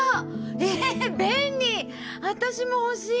え便利私も欲しい。